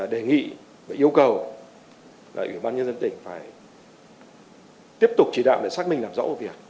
đề nghị và yêu cầu ủy ban nhân dân tỉnh phải tiếp tục chỉ đạm để xác minh làm rõ một việc